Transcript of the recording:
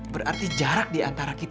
berarti jarak diantara kita